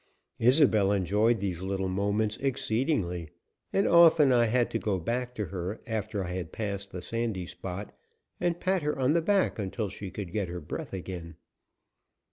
Isobel enjoyed these little moments exceedingly and often I had to go back to her, after I had passed the sandy spot, and pat her on the back until she could get her breath again.